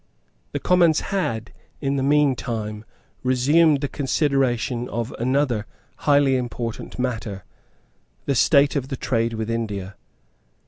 The Commons had, in the meantime, resumed the consideration of another highly important matter, the state of the trade with India.